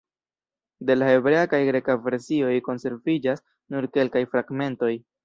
De la hebrea kaj greka versioj konserviĝas nur kelkaj fragmentoj.